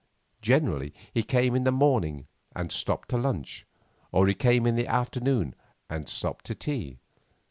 Generally he came in the morning and stopped to lunch; or he came in the afternoon and stopped to tea.